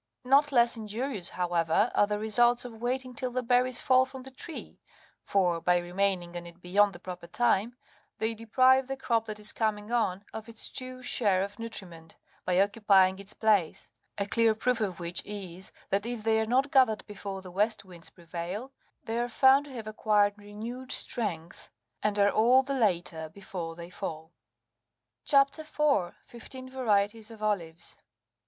Not less injurious, however, are the results of waiting till the berries fall from the tree ; for, by remaining on it beyond the proper time, they deprive the crop that is coming on of its due share of nutriment, by occupying its place : a clear proof of which is, that if they are not gathered before the west winds prevail, they are found to have acquired renewed strength, and are all the later before they fall. CHAP. 4. FIFTEEN VARIETIES OF OLIVES.